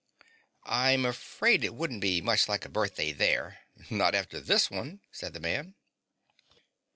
"I'm afraid it wouldn't be much like a birthday there; not after this one," said the man.